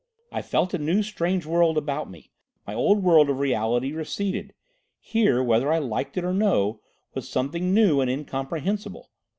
I felt a new strange world about me. My old world of reality receded. Here, whether I liked it or no, was something new and incomprehensible.